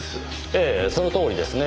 ええその通りですねぇ。